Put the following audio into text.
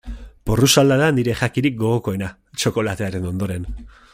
Porrusalda da nire jakirik gogokoena, txokolatearen ondoren.